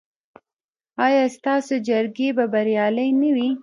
ایا ستاسو جرګې به بریالۍ نه وي؟